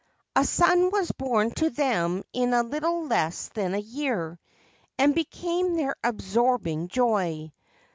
A son was born to them in a little less than a year, and became their absorbing joy.